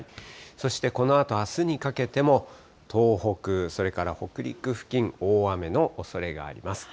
そしてこのあとあすにかけても、東北、それから北陸付近、大雨のおそれがあります。